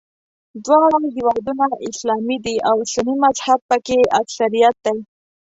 دواړه هېوادونه اسلامي دي او سني مذهب په کې اکثریت دی.